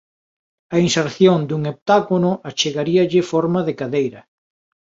A inserción dun heptágono achegaríalle forma de cadeira.